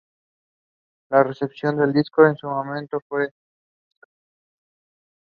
La recepción del disco en su momento no fue precisamente calurosa.